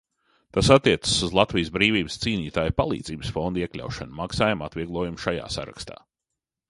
Tas attiecas uz Latvijas brīvības cīnītāju palīdzības fonda iekļaušanu maksājumu atvieglojumu šajā sarakstā.